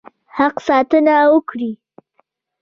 حق ساتنه وکړي.